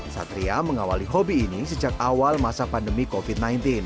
satria mengawali hobi ini sejak awal masa pandemi covid sembilan belas